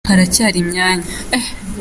haracyari imyanya.